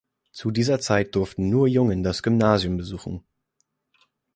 Zu dieser Zeit durften nur Jungen das Gymnasium besuchen.